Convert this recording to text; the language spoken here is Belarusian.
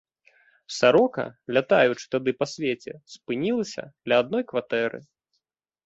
Сарока, лятаючы тады па свеце, спынілася ля адной кватэры.